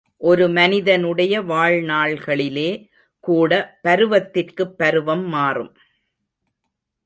ஒரு மனிதனுடைய வாழ்நாள்களிலே கூட பருவத்திற்குப் பருவம் மாறும்.